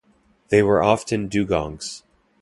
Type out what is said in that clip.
They were often dugongs.